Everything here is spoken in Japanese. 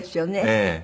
ええ。